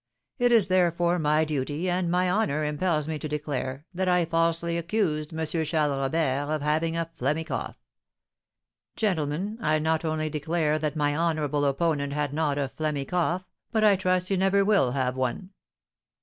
It is, therefore, my duty, and my honour impels me to declare, that I falsely accused M. Charles Robert of having a phlegmy cough. Gentlemen, I not only declare that my honourable opponent had not a phlegmy cough, but I trust he never will have one.'